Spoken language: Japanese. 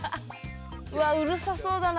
うわうるさそうだな。